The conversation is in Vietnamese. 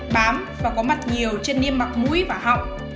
bám và có mặt nhiều trên niêm mặt mũi và họng